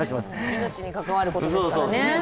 命に関わることですから。